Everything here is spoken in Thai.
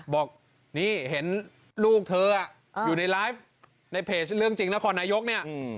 บอกนี่เห็นลูกเธออยู่ในไลฟ์ในเพจเรื่องจริงนครนายกเนี่ย